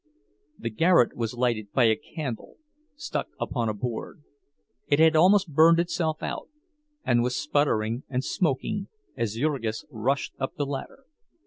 The garret was lighted by a candle stuck upon a board; it had almost burned itself out, and was sputtering and smoking as Jurgis rushed up the ladder.